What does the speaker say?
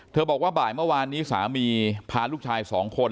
บอกว่าบ่ายเมื่อวานนี้สามีพาลูกชายสองคน